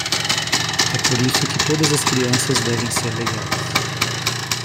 É por isso que todas as crianças devem ser legais.